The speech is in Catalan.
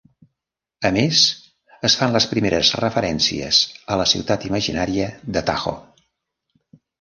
A més es fan les primeres referències a la ciutat imaginària de Tajo.